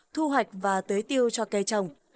thu hoạch và tưới tiêu cho cây trồng